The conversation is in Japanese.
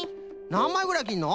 なんまいぐらいきるの？